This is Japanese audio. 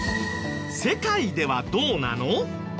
世界ではどうなの？